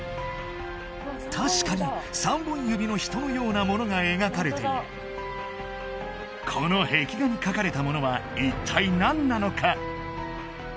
確かに３本指の人のようなものが描かれているこの壁画に描かれたものは一体何なのか？